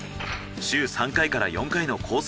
週３回から４回のコース